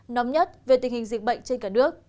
nóng nhất về tình hình dịch bệnh trên cả nước